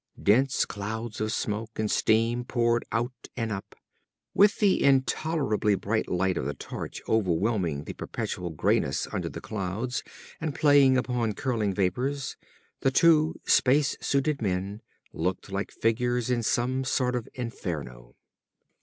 Dense clouds of smoke and steam poured out and up. With the intolerably bright light of the torch overwhelming the perpetual grayness under the clouds and playing upon curling vapors, the two space suited men looked like figures in some sort of inferno.